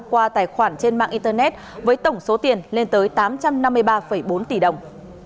qua tài khoản trên mạng internet với tổng số tiền lên tới tám trăm năm mươi ba bốn tỷ đồng